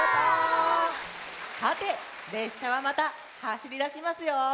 さてれっしゃはまたはしりだしますよ。